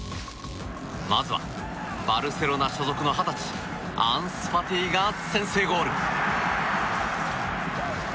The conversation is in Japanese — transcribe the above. まずはバルセロナ所属の二十歳アンス・ファティが先制ゴール。